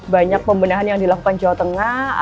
banyak pembenahan yang dilakukan jawa tengah